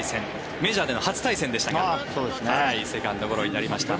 メジャーでの初対戦でしたがセカンドゴロになりました。